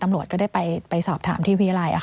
ตำรวจก็ได้ไปสอบถามที่วิทยาลัย